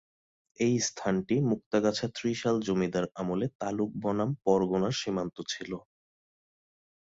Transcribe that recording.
এই স্থানটি মুক্তাগাছা-ত্রিশাল জমিদার আমলে তালুক বনাম পরগনার সীমানা ছিল।